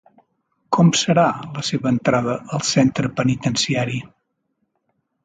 Com serà la seva entrada al centre penitenciari?